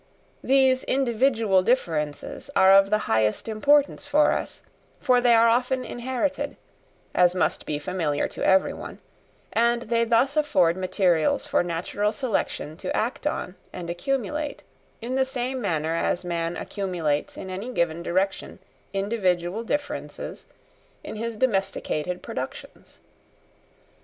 These individual differences are of the highest importance for us, for they are often inherited, as must be familiar to every one; and they thus afford materials for natural selection to act on and accumulate, in the same manner as man accumulates in any given direction individual differences in his domesticated productions.